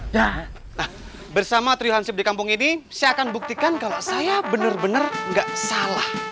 nah bersama trihanship di kampung ini saya akan buktikan kalau saya benar benar nggak salah